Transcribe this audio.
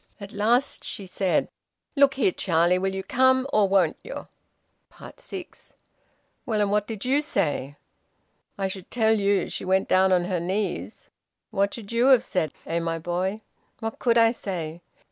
At last she said: `Look here, Charlie, will you come, or won't you?'" SIX. "Well, and what did you say?" "I should tell you she went down on her knees. What should you have said, eh, my boy? What could I say?